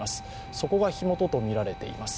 そこが火元とみられています。